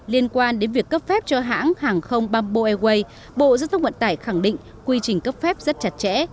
liên quan đến việc cấp phép cho hãng hàng không bamboo airways bộ giao thông vận tải khẳng định quy trình cấp phép rất chặt chẽ